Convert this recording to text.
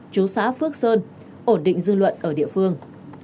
chú xã phước sơn ổn định dư luận ở địa phương